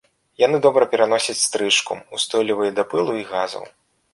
Яны добра пераносяць стрыжку, устойлівыя да пылу і газаў.